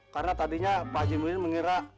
karena tadinya pak haji muhyiddin mengira